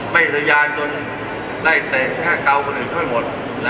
ไม่เถยอยานเลยตั้งให้เกาคนอื่นไม่หมดนะ